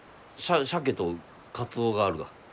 シャケとカツオがあるが。